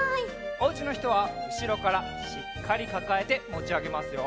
おうちのひとはうしろからしっかりかかえてもちあげますよ。